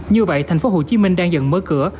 như vậy thành phố hồ chí minh đang dần mở cửa